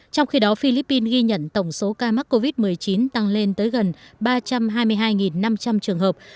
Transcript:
trong khi đó philippines ghi nhận tổng số ca mắc covid một mươi chín tăng lên tới gần ba trăm hai mươi hai năm trăm linh trường hợp